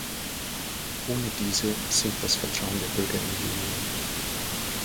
Ohne diese sinkt das Vertrauen der Bürger in die Union.